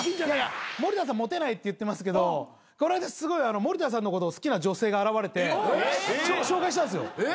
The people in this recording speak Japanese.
森田さんモテないって言ってますけどこの間すごい森田さんのことを好きな女性が現れて紹介したんですよ。